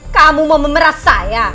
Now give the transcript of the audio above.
kamu mau memeras saya